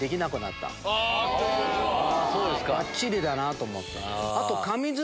ばっちりだなと思った。